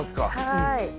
はい。